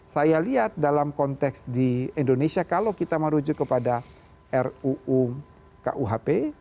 saya lihat dalam konteks di indonesia kalau kita merujuk kepada ruu kuhp